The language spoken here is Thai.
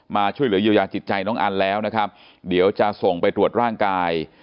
ช่วยเหลือเยียวยาจิตใจน้องอันแล้วนะครับเดี๋ยวจะส่งไปตรวจร่างกาย